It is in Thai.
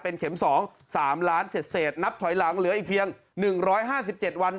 เป็นเข็ม๒๓ล้านเศษนับถอยหลังเหลืออีกเพียง๑๕๗วัน